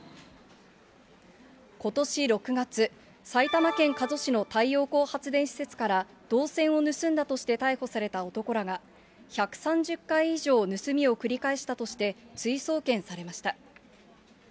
ことし６月、埼玉県加須市の太陽光発電施設から、銅線を盗んだとして逮捕された男らが、１３０回以上盗みを繰り返したとして、追送検されました。